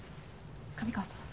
神川さん。